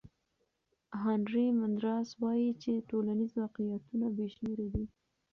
هانري مندراس وایي چې ټولنیز واقعیتونه بې شمېره دي.